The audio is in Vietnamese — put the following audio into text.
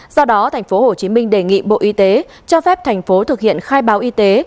do đó thành phố hồ chí minh đề nghị bộ y tế cho phép thành phố thực hiện khai báo y tế